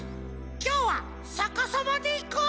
きょうはさかさまでいこう！